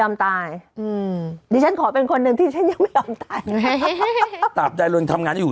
หือดีฉันขอเป็นคนหนึ่งที่ฉันยังไม่ยอมตายฟะตามใจน่าทำงานได้อยู่